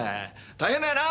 大変だよな？